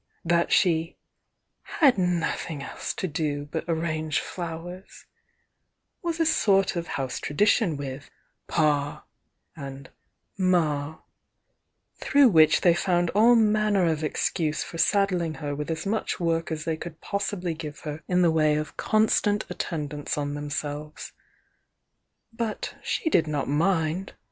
That she "had nothing else to do but arrange flowers" was a sort of house tradition with "Pa" and "Ma" through which they found all man ner of excuse for saddling her with as much work as they could possibly give her in the way of con stant attendance on themselves. But she did not mind.